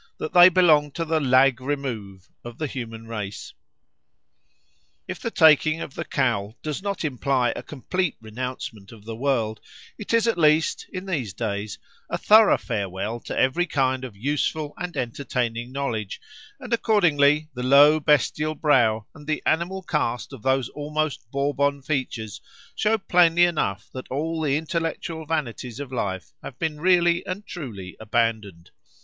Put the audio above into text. that they belong to the lag remove of the human race. If the taking of the cowl does not imply a complete renouncement of the world, it is at least (in these days) a thorough farewell to every kind of useful and entertaining knowledge, and accordingly the low bestial brow and the animal caste of those almost Bourbon features show plainly enough that all the intellectual vanities of life have been really and truly abandoned.